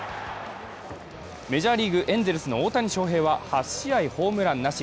メジャーリーグ、エンゼルスの大谷翔平は８試合ホームランなし。